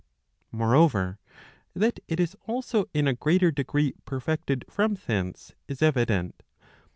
Moreover, that it is also in a greater degree perfected from thence is evident.